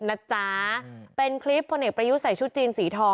๑๔ล้านกว่าชีวิต